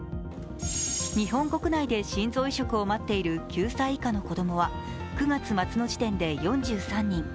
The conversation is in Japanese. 日本国内で心臓移植を待っている９歳以下の子供は９月末の時点で４３人。